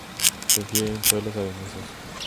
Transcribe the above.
Prefieren suelos arenosos.